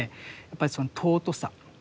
やっぱりその尊さ。